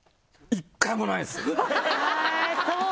１回もないです。